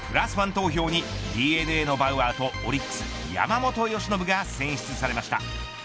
投票にＤｅＮＡのバウアーとオリックス山本由伸が選出されました。